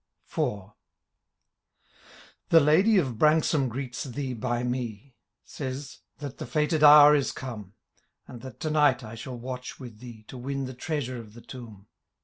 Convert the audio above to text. IV. The Ladye of Branksome greets thee hy me : Says, that the fitted hour is come. And that to night I shall watch with thee. To win the treasure of the tomh.